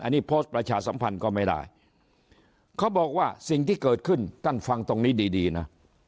อันนี้โพสต์ประชาสัมพันธ์ก็ไม่ได้เขาบอกว่าสิ่งที่เกิดขึ้นท่านฟังตรงนี้ดีดีนะ